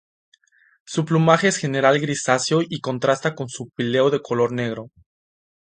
Su plumaje es en general grisáceo y contrasta con su píleo de color negro.